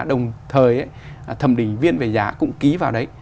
đồng thời thẩm định viên về giá cũng ký vào đấy